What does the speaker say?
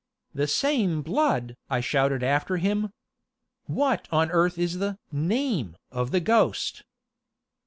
"The same blood!" I shouted after him. "What on earth is the name of the ghost?"